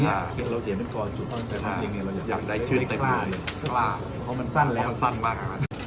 อยากได้ชื่นแต่กล้าเพราะมันสั้นแล้วเพราะมันสั้นมากครับ